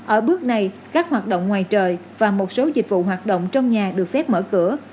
ở bước này các hoạt động ngoài trời và một số dịch vụ hoạt động trong nhà được phép mở cửa